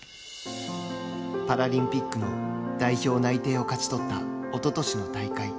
パラリンピックの代表内定を勝ち取ったおととしの大会。